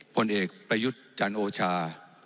พลเอกไปยุดจันโอชา